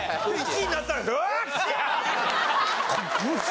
１位になったら。